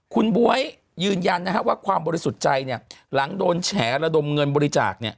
คุณบ๊วยยืนยันว่าความบริสุทธิ์ใจเนี่ยหลังโดนแฉระดมเงินบริจาคเนี่ย